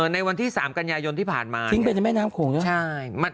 ในวันที่๓กันยายนที่ผ่านมาทิ้งไปในแม่น้ำโขงใช่ไหม